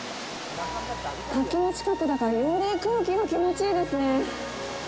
滝の近くだからより空気が気持ちいいですね。